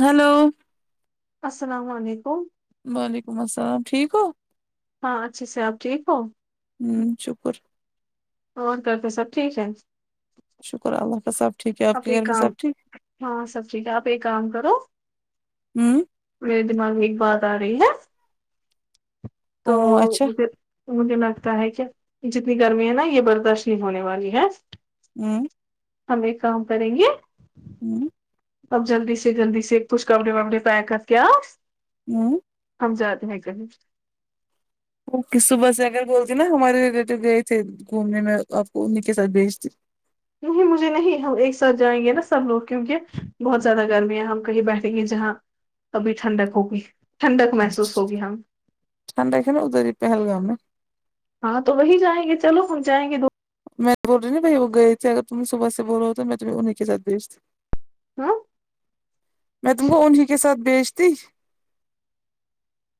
hello السلام علیکم وعلیکم السلام ٹھیک ہو ہاں اچھے سے آپ ٹھیک ہو ہوں شکر اور گھر پے سب ٹھیک ہے شکر اللہ کا سب ٹھیک ہے آپ کے ایک گھر میں کام سب ٹھیک ہاں سب ٹھیک ہے آپ ایک کام کرو ہوں میرے دماغ ایک بات آ رہی ہے تو او اچھا پھر تو مجھے لگتا ہے کیا جتنی گرمی ہے نا یہ برداشت نہیں ہونے والی ہے ہوں ہم ایک کام کریں گے ہوں اب جلدی سے جلدی سے کچھ کپڑے وپڑے پاک کر کیا ہوں ہم زد ہیں کہ ہیں اوک صبح سے اگر بولتی نا ہمارے ریلیٹیو گئے تھے گھومنے میں آپ کو ایں کے ساتھ بھیج دی نہیں مجھے نہیں ہم ایک ساتھ جائیں گے نا سب لوگ کیونکہ بہت زیادہ گرمییا ہے ہم کہیں بیٹھیں گے جہاں ابھی ٹھنڈک ہوگی ٹھنڈک محسوس ہوگی ہم ہم گۓ تھا نا پہل گاؤں میں ہاں تو وہی جائیں گے چلو ہم جائیں گے میں بول رہی نا بھ وہ گئے تھے اگر تم صبح سے بول رہ ہو تو میں تمہیں انہیں کے ساتھ بھیچتیھی ہاں میں تم کو انھی ہی کے ساتھ بیجتی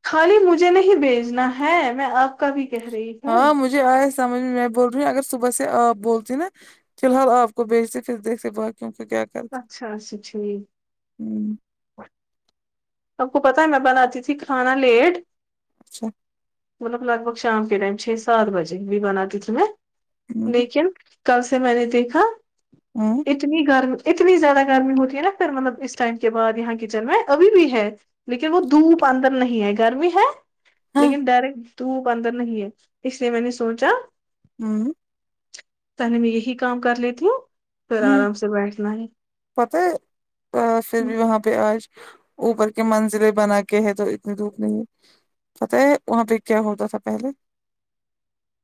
خالی مجھے نہیں بھیجنا ہے میں آپ کا بھی کہہ رہی ہوں ہاں مجھے آئے سمجھ میں میں بول رہی ہوں اگر صبح سے آپ بولتی نا فی الحال آپ کو بھیجتے پھر دیکھتے بایوں کو کیا اچھا کرتے اچھا اچھی ہوں آپ کو پتا ہے میں بناتی تھی کھانا لیٹ اچھا مطلب لگ بگ شام کے ائم چھ سات بجے بھی بنا تھی تو میں ہوں لیکن کل سے میں نے دیکھا ہوں اتنی گرمی اتنی زیادہ گرمی ہوتی ہے نا پھر مطلب اس ٹائم کے بعد یہاں کچن میں ہے ابھی بھی ہے لیکن وہ دھوپ اندر نہیں ہے گرمی ہے ہاں لیکن ڈر تو وہ اندر نہیں ہے اس لیے میں نے سوچا ہوں پہلے میں یہ ہی کام کر لیتی ہوں پھر آرام سے بیٹھنا ہے پتا ہی تو پھر بھی وہاں پہ آج اوپر کے منزلیں بنا کے ہے تو اتنی دھوپ نہیں پتہ ہے وہاں پہ کیا ہوتا تھا پہلے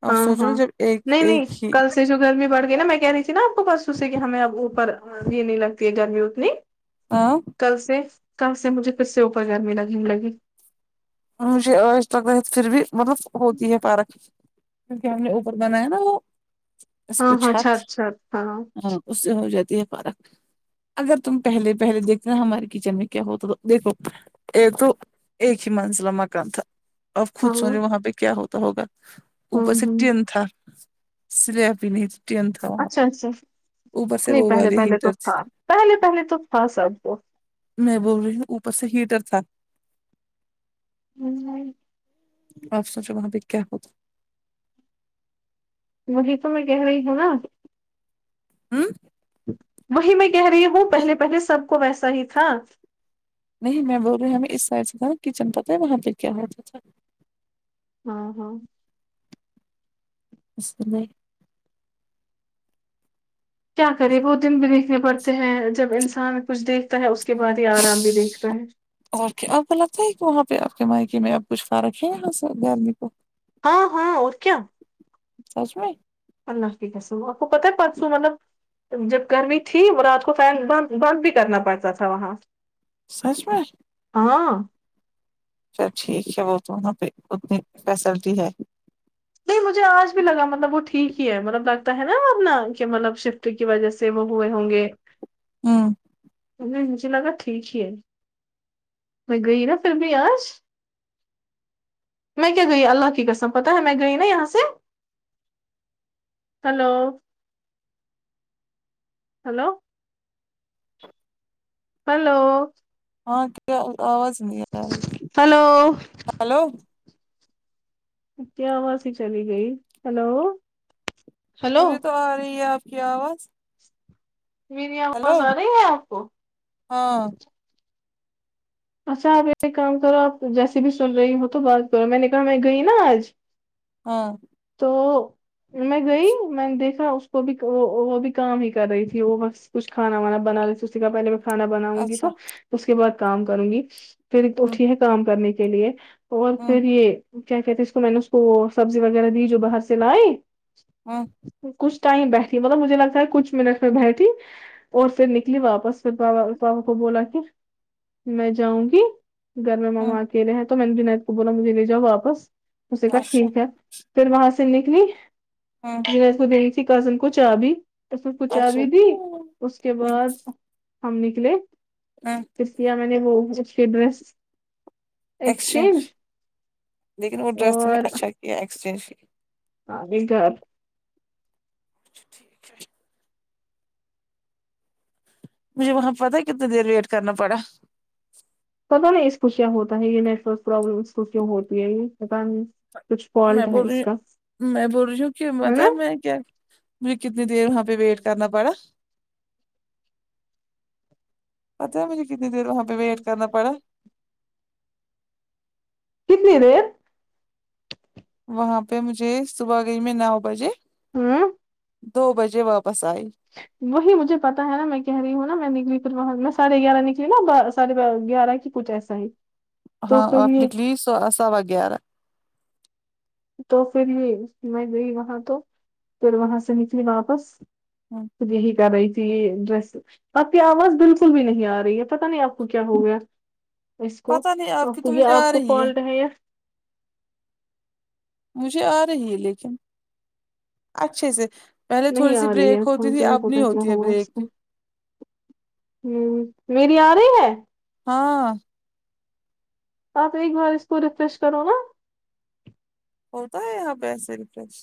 آپ ہاں سوچو نا ہاں جب ایک نہیں نہیں ایک ہی کل جو گرمی بڑ گئی نا میں کہہ رہی تھی آپ کو بس اس سے کہ ہمیں اوپر یہ نہیں لگتی ہے گرمی اتنی آ کل سے کل سے مجھے کس سے اوپر گرمی لگنے لگی اور مجھے لگ رہا ہے پھر بھی مطلب ہوتی ہے پارک کیونکہ ہم نے اوپر بنایا نا وہ اس کو ہاں ہاں چھت چھات چھات ہاں اس سے ہو جاتی ہے فرق اگر تم پہلے پہلے دیکھتے ہمارے کچن میں کیا ہوتا تو دیکھو ایک تو ایک منزلہ مکان تھا اب ہاں خود سوجے ہوں وہاں پہ کیا ہوتا ہوگا اوپر سے ہوں ٹن تھا سلپ نہیں ٹین تھا وہاں پہ اچھا اچھا اوپر سے نہیں وہ پہلے والے پہلے تو ہیٹر تھے، تھا پہلے پہلے تو تھا سب وہ میں بول رہی ہوں اوپر سے ہیٹر تھا [unintelligible] آپ سوچو وہاں پہ کیا ہوتا وہی تو میں کہہ رہی ہوں نہ ہمم وہی میں کہہ رہی ہوں پہلے پہلے سب کو ویسا ہی تھا نہیں میں بول رہی ہمیں اس سائڈ سے تھا کچن پتہ ہے وہاں پہ کیا ہوتا تھا ہاں ہاں اس میں کیا کرے وہ دن بھی دیکھنے پڑتے ہیں جب انسان کچھ دیکھتا ہے اس کے بعد ہی آرام بھی دیکھتا ہے اور کیا آ کو لگتا ہے کہ وہاں پہ آپ کے مائکے میں آپ کچھ فارک ہے یہاں سے گرمی کو ہاں ہاں اور کیا سچ میں اللہ کی قسم آپ کو پتہ ہے پرسوں پلپ جب گرمی تھی رات کو فین ب بند بھی کرنا پڑتا تھا وہاں سچ میں ہاں چل ٹھیک ہے وہ تو وہاں پہ اتنی فیسلٹی ہے نہیں مجھے آج بھی لگا مطلب وہ ٹھیک ہی ہے مطلب لگتا ہے نہ واپنا کہ مطلب شفٹنگ کی وجہ سے وہ ہوئے ہوں گے ہوں ا مجھے لگا ٹھیک ہی ہے میں گئی نہ فر بھی آج میں کیا گئی اللہ کی قسم پتہ ہے میں گئی نہ یہاں سے ہیلو ہیلو ہیلو ہاں کیا آواز نہیں آرہی تھی ہلو ہیلو کیا آواز ہی چلی گئی، ہیلو مجھے تو آ رہی ہے آپ کی آواز میری ہیلو آواز آ رہی ہے آپ کو ہاں اچھا آپ ایک کام کرو آپ جیسے بھی سن رہی ہو تو بات کرو میں نے کہا میں گئی نہ آج ہاں تو میں گئی میں نے دیکھا اس کو بھی وہ وہ بھی کام ہی کر رہی تھی وہ بس کچھ کھانا وانا بنا لے کہ [unintelligible] پہل کھانا بناؤں گی اچھا تو اس کے بعد کام کروں گی، پھر ہوں اٹھی ہے کام کرنے کے لیے اور ہوں پھر یہ کیا کہتے اس کو میں نے اس کو سبزی وغیرہ دی جو باہر سے لائی ہاں کچھ ٹائم بیٹھی مطلب مجھے لگتا ہے کچھ منٹ میں بیٹھی اور پھر نکلی واپس پھر بابا بابا کو بولا کہ میں جاؤں گی گھر میں ہوں ماما اکیلے ہے تو میں نے ونیک کو بولا مجھے لے جاؤ واپس اسے کہا اچھا ٹھیک ہے پھر وہاں سے نکلی ہاں پھر اس کو دینی تھی کزن کو چا بی اس کو چا اچھا بھی دی ہوں اس کے بعد ہم نکلے ہاں پھر کیا میں نے وہ اس کی ڈریس ایکسچینج لیکن وہ ڈریس تم نے اچھا کیا ایکسچینج کی ہاں بی گھر کی مجھے وہاں پتہ ہے کتنی دیر ویٹ کرنا پڑا پتہ نہیں اس کو کیا ہوتا ہے یے نیٹ ورک پرابلم کیوں ہوتی ہے یے پتہ نہیں کچھ میں فالٹ ہے بول رہی اس کا ہوں میں بول رہی ہوں کی پتہ ہے میں کیا مجھے کتنی دیر وہاں پے ویٹ کرنا پڑا پتہ ہے مجھے کتنی دیر وہاں پے ویٹ کرنا پڑا کتنی دیر وہاں پے مجھے صبح گئی م نو بجے ہاں دو بجے واپس ائی وہی مجھے پتہ ہے نا میں کہہ رہی ہوں نا میں نکلی پھر وہاں میں ساڑھے گیارہ نکلی نا ساڑھے با گیارہ کی کچھ اسا ہی تو ہاں پھر آب یہ نکلی سو سوا گیارہ تو پھر ہی میں گئی وہاں تو پھر وہاں سے نکلی واپس اب یہی کر رہی ڈریس آپ کی آواز بالکل بھی نہیں آ رہی ہے پتہ نہیں آپ کو کیا ہو گیا اس کو پتہ نہیں آپ کی تو یے مجھے آپ آ کو رہی ہے کال رہے مجھے آ رہی ہے لیکن اچھے سے پہلے تھوڑی نہیں سی آ رہی بریک ہے ہوتی تھی مجھے اب نہیں پتا کیا ہوتی ہے بریک ہمم میری آ رہی ہے ہاں آپ ایک بار اس کو ریفریش کرو نا ہو تو یہاں پے ایسے ریفریش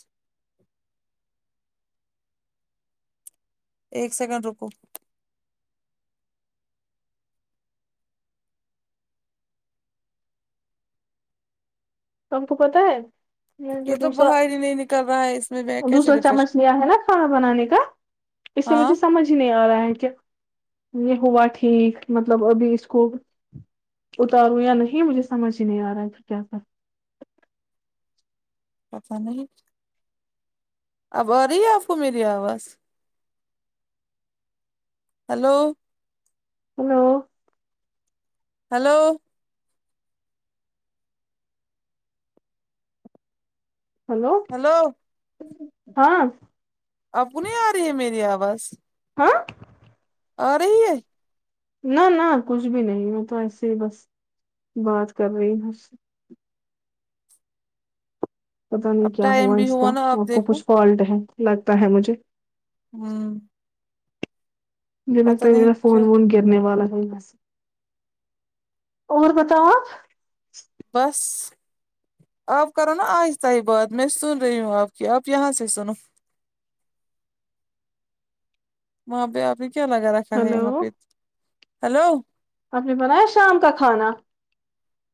ایک سیکنڈ رکو تم کو پتہ ہے یا جو یہ تو دوسرا باہر ہی نہیں نکل رہا ہے اس میں میں کیسے دوسرا ریفریش چمچ لیا ہے نا کھانا بنانے کا اس سے ہاں مجھے سمج جھ نہیں آ رہا ہے کہ یے ہوا ٹھیک مطلب ابھی اس کو اتاروں یا نہیں مجھے سمجھ ہی نہیں آ رہا ہے کہ کیا کر پتہ نہیں اب آ رہی ہے آپ کو میری آواز hello hello hello hello hello ہاں آپ کو نہیں آ رہی ہے میری آواز ہاں آ رہی ہے نہ نہ کچھ بھی نہیں ہ تو ایسے ہی بس بات کر رہی ہوں اسے پتہ نہیں اب کیا ہوا ٹائم بھی اس کا نا آپ کو دیکھو کچھ فالٹ ہے لگتا ہے مجھے ہمم مجھے لگتا ہے نہیں میرا کیا فون ون گرنے والا ہے بس اور بتاؤ آپ بس آپ کرو نا آہستہ ہی بات میں سن رہی ہوں آپ کی آپ یہاں سے سنو وہاں پہ آپ نے کیا لگا رکھا ہے یہاں ہلو پہ ہلو آپ نے بنایا شام کا کھانا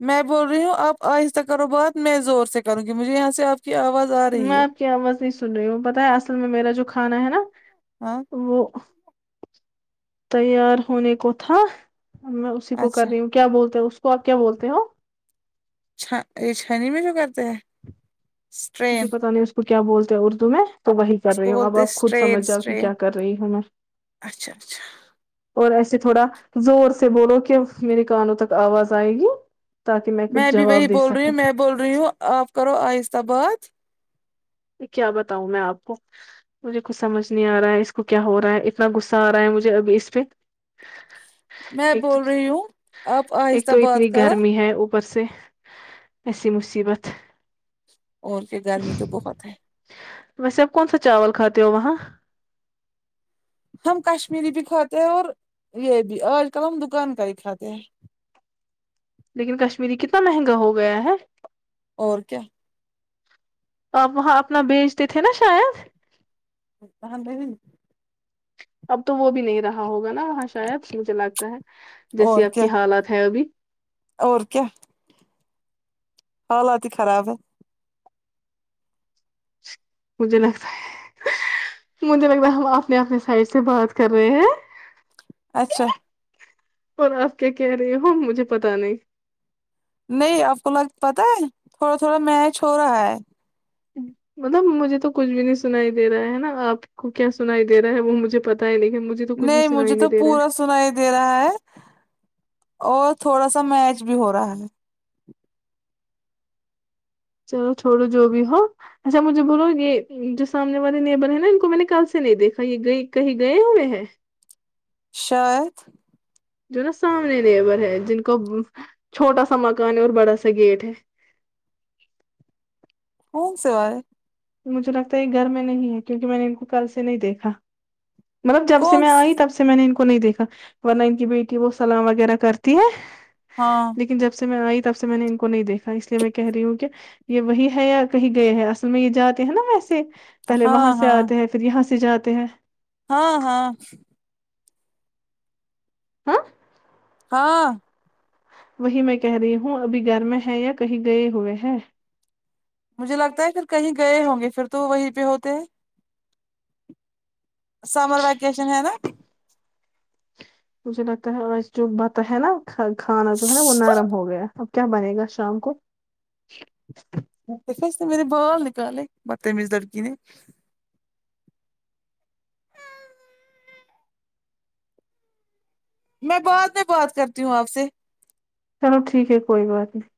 میں بول رہی ہوں آپ آہستہ کرو بات میں زور سے کروں گی مجھے یہاں سے آپ کی آواز آ میں رہی ہے آپ کی آواز نہیں سن رہی ہوں پتہ ہے اصل میں میرا جو کھانا ہے نا ہاں وہ تیار ہونے کو تھا میں اسی کو کر اچھا رہی ہوں کیا بولتے ہو اس کو اپ کیا بولتے ہو چھ یہ چھنی میں جو کرتے ہیں جی اسٹرین پتہ نہیں اس کو کیا بولتے ہیں اردو میں تو وہی کر اس رہی کو ہو اب بولتے ہیں آپ خود اسٹرین سمجھ جاؤ کہ اسٹرین کیا کر رہی ہوں میں اچھا اچھا اور ایسے تھوڑا زور سے بولو کہ میرے کانوں تک اواز ائے گی تکے میں کچھ بھی جواب وہی دے بول رہی ہوں سکوں میں بول رہی ہوں اپ کرو اہستہ بات کیا بتاؤں میں اپ کو مجھے کچھ سمجھ نہیں آرہا ہے اس کو کیا ہو رہا ہے اتنا غصہ آرہا ہے مجھے اب اس پہ میں ایک تو بول رہی ہوں آپ ایک آہستہ تو بات اتنی کرو گرمی ہے اوپر سے ایسی مصیبت اور پھر گرمی تو بہت ہے ویسے آپ کون سا چاول کھاتے ہو وہاں ہم کشمیری بھی کھاتے ہیں اور یہ بھی آج کل ہم دکان کا ہی کھاتے ہیں لیکن کشمیری کتنا مہنگا ہو گیا ہے اور کیا آپ وہاں اپنا بیچتے تھے نا شاید [unintelligible] اب تو وہ بھی نہیں رہا ہوگا نا ہاں شاید مجھے لگتا ہے اور جیسے اپ کیا کی حالات ہے ابھی اور کیا حالات ہی خراب ہے مجھے لگتا ہے مجھے لگتا ہے ہم اپنے اپنے سائڈ سے بات کر رہے ہیں اچھا اور اپ کیا کہہ رہی ہو مجھے پتا نہیں نہیں اپ کو لگتا تھا تھوڑا تھوڑا میچ ہو رہا ہے مطلب مجھے تو کچھ بھی نہیں سنائی دے رہا ہے نا اپ کو کیا سنائی دے رہا ہے وہ مجھے پتا ہے لیکن مجھے تو کچھ بھی نہیں مجھے سنائی تو دے رہا ہے پورا سنای دے رہا ہے اور تھوڑا سہ میچ بھی ہو رہا ہے چلو چھوڑو جو بھی ہو اچھا مجھے بولو یہ جو سامنے والے نیبر ہے نا ان کو میں نے کل سے نہیں دیکھا یہئی کہیں گئے ہوئے ہیں شاید جو نا سامنے نیبر ہے جن کو چھوٹا سا مکان ہے اور بڑا سا گیٹ ہے [unintelligible] مجھے لگتا ہے یہ گھر میں نہیں ہے کیوکہ میں نے ان کو کل سے نہیں دیکھا مطلب جب سے کون میں ائی س- تب سے سے میں نے ان کو نہیں دیکھا ورنہ ان کی بیٹی وہ سلام وغیرہ کرتی ہے ہاں لیکن جب سے میں آئی تب سے میں نے ان کو نہیں دیکھا اس لیے میں کہہ رہی ہوں کہ یہ وہی ہے یا کہیں گئے ہیں اصل میں یہ جاتے ہیں نا ویسے پہلے وہاں ہاں سے ہاں اتے ہیں پھر یہاں سے جاتے ہیں ہاں ہاں ہاں ہاں وہی میں کہہ رہی ہوں ابھی گھر میں ہے یا کہیں گئے ہوئے ہے مجھے لگتا ہے پھر کہیں گئے ہوں گے پھر تو وہی پہ ہوتے سمر وکیشن ہے نا مجھے لگتا ہے جو بتا ہے نا کھانا جو ہے نا وہ نرم ہو گیا کیا بنے گا شام کو ویسے میرے بال نکالے بات مز لڑکی نے میں بعد میں بات کرتی ہوں آپ سے چلو ٹھیک ہے کوئی بات نہیں